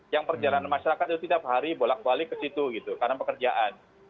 yang perjalanan masyarakat itu tidak perhari bolak balik ke situ karena pekerjaan